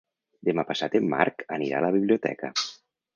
Demà passat en Marc anirà a la biblioteca.